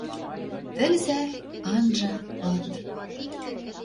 Тӹлзӓт анжа пыт